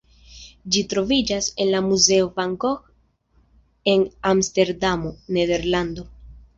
Ĝi troviĝas en la muzeo Van Gogh en Amsterdamo, Nederlando.